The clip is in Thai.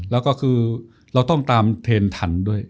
แล้วก็คือเราต้องตามเทรนถันด้วย